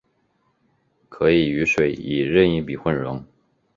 可以与水以任意比混溶。